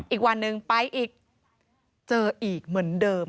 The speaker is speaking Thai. อีกวันหนึ่งไปอีกเจออีกเหมือนเดิม